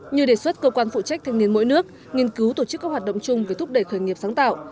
như đề xuất cơ quan phụ trách thanh niên mỗi nước nghiên cứu tổ chức các hoạt động chung về thúc đẩy khởi nghiệp sáng tạo